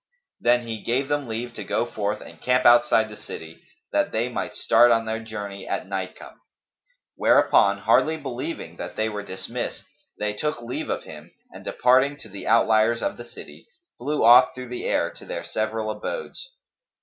Then he gave them leave to go forth and camp outside the city, that they might start on their journey at night come; whereupon, hardly believing that they were dismissed, they took leave of him and departing to the outliers of the city, flew off through the air to their several abodes.